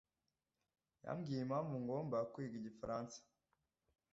yambwiye impamvu ngomba kwiga igifaransa.